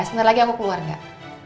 sebentar lagi aku keluar gak